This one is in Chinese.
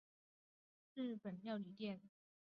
找到一间日本料理店